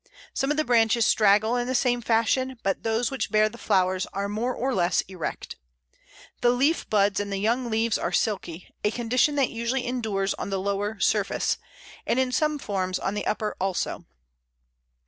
Some of the branches straggle in the same fashion, but those which bear the flowers are more or less erect. The leaf buds and the young leaves are silky, a condition that usually endures on the lower surface, and in some forms on the upper also.